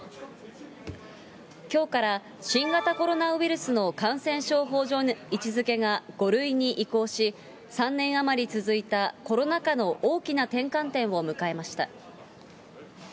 きょうから新型コロナウイルスの感染症法上の位置づけが５類に移行し、３年余り続いたコロナ禍の大きな転換点を迎えました。